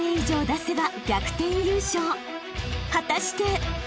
［果たして？］